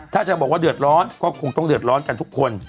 ถ้าจะบอกว่าเดือดร้อนก็คงต้องเดือดร้อนกันทุกคน